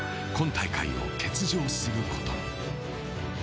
今大会を欠場することに。